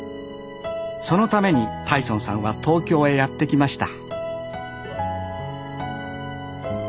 そのために太尊さんは東京へやって来ました